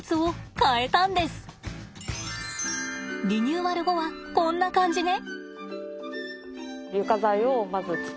リニューアル後はこんな感じね。